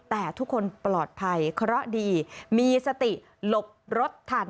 แต่ทุกคนปลอดภัยเคราะห์ดีมีสติหลบรถทัน